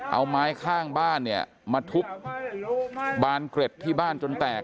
เอาไม้ข้างบ้านเนี่ยมาทุบบานเกร็ดที่บ้านจนแตก